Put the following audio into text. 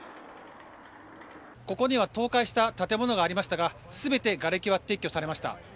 ここには倒壊した建物がありましたが全てがれきは撤去されました。